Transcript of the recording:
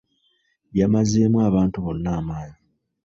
Yamazeemu abantu bonna amaanyi.